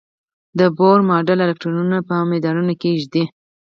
د بور ماډل الکترونونه په مدارونو کې ږدي.